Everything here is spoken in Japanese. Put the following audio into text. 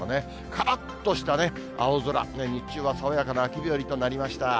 からっとした青空、日中は爽やかな秋日和となりました。